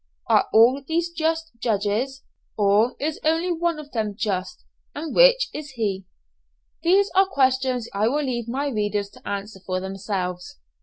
Are all these just judges; or is only one of them just? and which is he? These are questions I will leave my readers to answer for themselves.